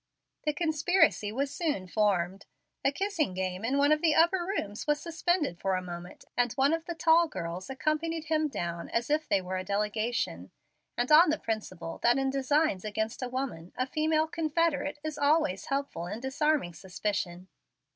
The conspiracy was soon formed. A kissing game in one of the upper rooms was suspended for a moment, and one of the tall girls accompanied him down as if they were a delegation, and on the principle that in designs against a woman a female confederate is always helpful in disarming suspicion.